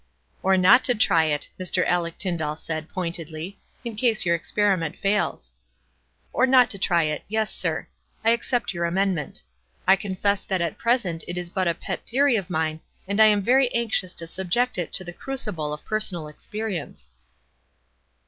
"Or not to try it," Mr. Aleck Tyndall said, pointedly, "in case your experiment fails." "Or not to try it — yes, sir. I accept your amendment. I confess that at present it is but a pet theory of mine, and I am very anxious to subject it to the crucible of personal experience."